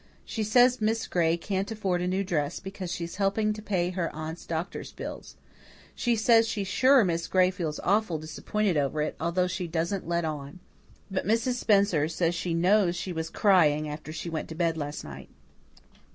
She says Miss Gray can't afford a new dress because she's helping to pay her aunt's doctor's bills. She says she's sure Miss Gray feels awful disappointed over it, though she doesn't let on. But Mrs. Spencer says she knows she was crying after she went to bed last night."